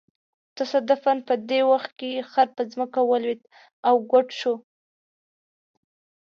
تصادفاً په دې وخت کې یې خر په ځمکه ولویېد او ګوډ شو.